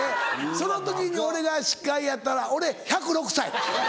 その時に俺が司会やったら俺１０６歳。